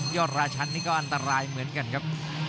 อดราชันนี่ก็อันตรายเหมือนกันครับ